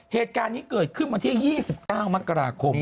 เหตุการณ์นี้เกิดขึ้นวันที่๒๙มกราคม